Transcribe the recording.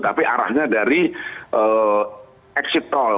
tapi arahnya dari exit tol